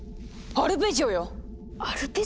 アルペジオ？